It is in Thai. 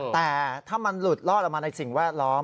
แต่ถ้ามันหลุดลอดออกมาในสิ่งแวดล้อม